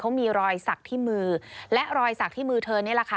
เขามีรอยสักที่มือและรอยสักที่มือเธอนี่แหละค่ะ